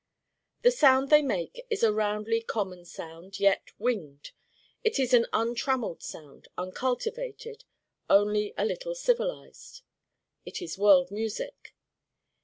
The Sound they make is a roundly common sound yet 'winged.' It is an untrammeled Sound, uncultivated, only a little civilized. It is world music.